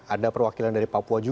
ada perwakilan dari papua juga